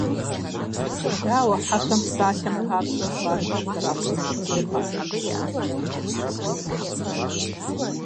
Дауэ хьэхэм, псалъэм папщӀэ, гуартэр зэрахъумэн хуейр къазэрыгурыӀуэр?